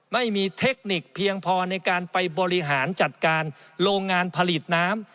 ไม่มีเทคนิคเพียงพอในการไปบริหารจัดการโรงงานผลิตน้ำ